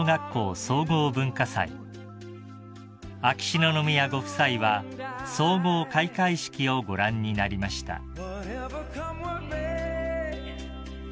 ［秋篠宮ご夫妻は総合開会式をご覧になりました］